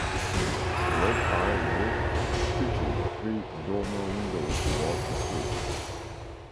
The red tile roof features three dormer windows towards the street.